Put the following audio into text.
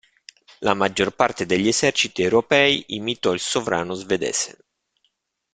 La maggior parte degli eserciti europei imitò il sovrano svedese.